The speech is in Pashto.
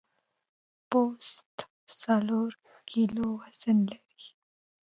پوست څلور کیلو وزن لري.